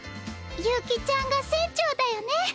悠希ちゃんが船長だよね？